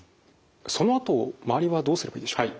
そのあと周りはどうすればいいでしょう？